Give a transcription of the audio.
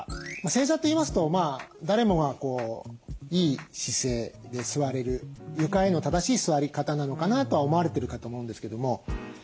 正座といいますと誰もがいい姿勢で座れる床への正しい座り方なのかなとは思われてるかと思うんですけども。